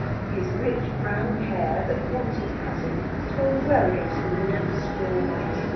His rich brown hair, that wanted cutting, told well against the warm straw white.